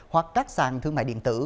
hoặc các sàn thương mại điện tử